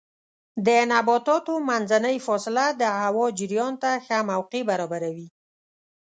د نباتاتو منځنۍ فاصله د هوا جریان ته ښه موقع برابروي.